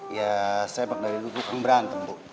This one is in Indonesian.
ya sepak dari lukuk yang berantem bu